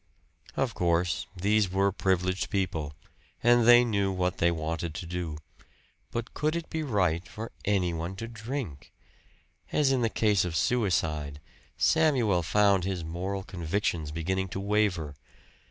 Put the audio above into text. Of course, these were privileged people, and they knew what they wanted to do. But could it be right for anyone to drink? As in the case of suicide, Samuel found his moral convictions beginning to waver.